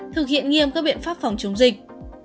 thực hiện nghiêm các biện pháp phòng chống dịch